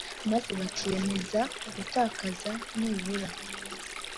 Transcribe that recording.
maze bakiyemeza gutakaza nibura